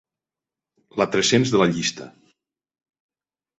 La tres-cents de la llista.